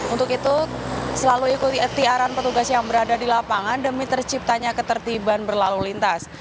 untuk itu selalu ikuti tiaran petugas yang berada di lapangan demi terciptanya ketertiban berlalu lintas